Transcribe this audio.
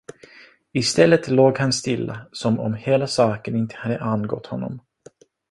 I stället låg han stilla, som om hela saken inte hade angått honom.